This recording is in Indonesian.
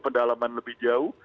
pendalaman lebih jauh